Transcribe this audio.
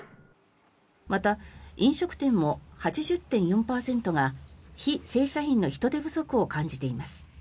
また、飲食店も８０．４％が非正社員の人手不足を感じています。